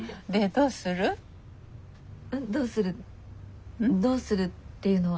どうするどうするっていうのは？